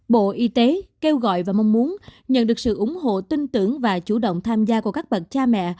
bộ y tế kêu gọi và mong muốn nhận được sự ủng hộ tin tưởng và chủ động tham gia của các bậc cha mẹ